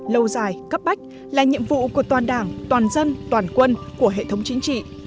lâu dài cấp bách là nhiệm vụ của toàn đảng toàn dân toàn quân của hệ thống chính trị